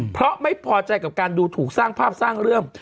เพราะไม่พอใจกับการดูถูกสร้างภาพสร้างเรื่อง